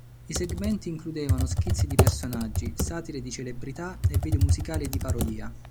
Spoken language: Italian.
I segmenti includevano schizzi di personaggi, satire di celebrità e video musicali di parodia.